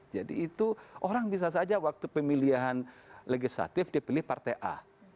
jadi itu orang bisa saja waktu pemilihan legislatif dipilih partai a